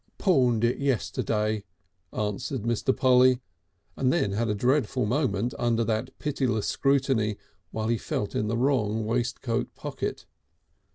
"Pawned it yesterday," answered Mr. Polly and then had a dreadful moment under that pitiless scrutiny while he felt in the wrong waistcoat pocket....